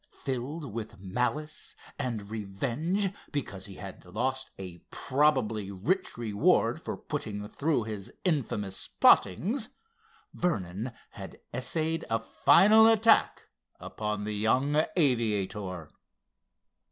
Filled with malice and revenge because he had lost a probably rich reward for putting through his infamous plottings, Vernon had essayed a final attack upon the young aviator.